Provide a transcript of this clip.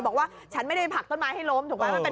บอกว่าฉันไม่ได้ผลักต้นไม้ให้ล้มถูกไหม